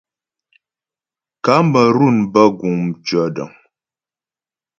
Kamerun bə guŋ mtʉɔ̌dəŋ.